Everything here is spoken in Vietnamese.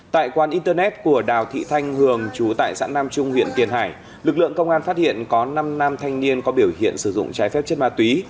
tại quán internet của đào thị thanh hường chú tại xã nam trung huyện tiền hải lực lượng công an phát hiện có năm nam thanh niên có biểu hiện sử dụng trái phép chất ma túy